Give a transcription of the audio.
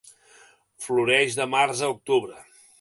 Floreix de març a octubre.